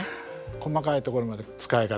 細かいところまで使い方。